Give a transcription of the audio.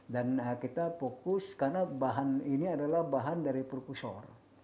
dan kita fokus karena bahan ini adalah bahan dari perkusur